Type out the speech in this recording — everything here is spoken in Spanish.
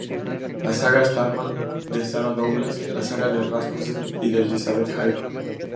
La saga Starman de Sara Douglass, la saga Rhapsody de Elizabeth Haydon.